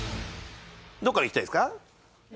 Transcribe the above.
どこからいきたいですか？